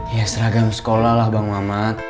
ya seragam sekolah lah bang mamat